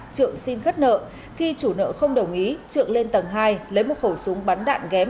trượng xin khất nợ khi chủ nợ không đồng ý trượng lên tầng hai lấy một khẩu súng bắn đạn ghém